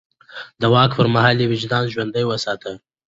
د واک پر مهال يې وجدان ژوندی وساته.